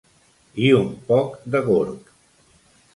I un poc de gorg.